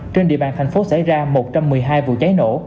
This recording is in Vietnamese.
trên địa bàn thành phố xảy ra một trăm một mươi hai vụ cháy nổ